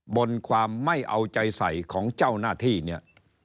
บนความไม่เอาใจใส่ของเจ้าหน้าที่เนี่ย